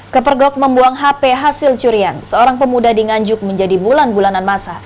kepergok membuang hp hasil curian seorang pemuda di nganjuk menjadi bulan bulanan masa